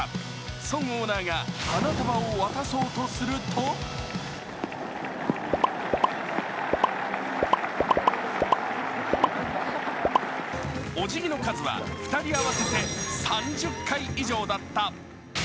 孫オーナーが花束を渡そうとするとおじぎの数は２人合わせて３０回以上だった。